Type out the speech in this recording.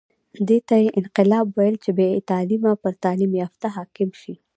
دې ته یې انقلاب ویل چې بې تعلیمه پر تعلیم یافته حاکم شي.